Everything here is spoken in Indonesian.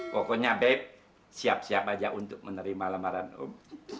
pokoknya bep siap siap aja untuk menerima lamaran om